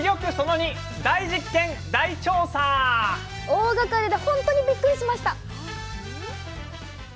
大がかりで本当にびっくりしました。